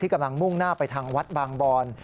กำลังมุ่งหน้าไปทางวัดบางบอน